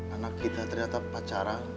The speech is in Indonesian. anak kita ternyata pacaran